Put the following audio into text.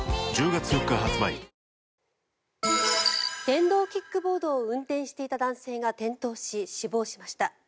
電動キックボードを運転していた男性が転倒し死亡しました。